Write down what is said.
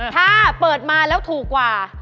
ถ้าเปิดมาแล้วถูกกว่า